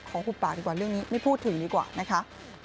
หุบปากดีกว่าเรื่องนี้ไม่พูดถึงดีกว่านะคะ